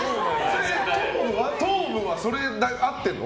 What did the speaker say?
頭部はそれで合ってるの？